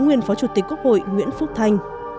nguyên phó chủ tịch quốc hội nguyễn phúc thanh